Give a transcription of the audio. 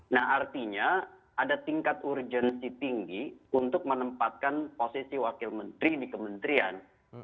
nah artinya ada tingkat urgensi tinggi untuk menempatkan posisi wakil menteri di kementerian